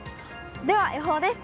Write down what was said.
では、予報です。